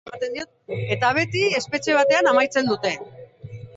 Eta beti, espetxe batean amaitzen dute.